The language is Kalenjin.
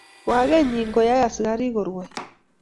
waket nyi koyai asakarik ko rwoi